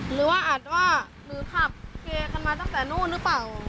หรือว่าอาจว่าหรือขับเคกันมาตั้งแต่นู้นหรือเปล่า